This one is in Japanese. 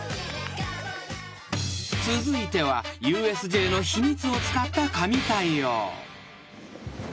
［続いてはＵＳＪの秘密を使った神対応］